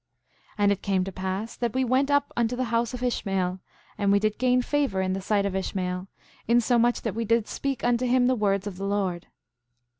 7:4 And it came to pass that we went up unto the house of Ishmael, and we did gain favor in the sight of Ishmael, insomuch that we did speak unto him the words of the Lord.